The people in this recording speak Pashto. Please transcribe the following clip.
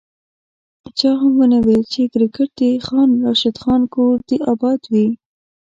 چا هم ونه ویل چي کرکیټ د خان راشد خان کور دي اباد وي